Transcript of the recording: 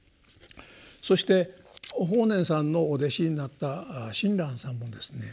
そして法然さんのお弟子になった親鸞さんもですね